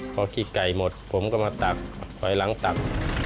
พอขี้ไก่หมดผมก็มาตักถอยหลังตัก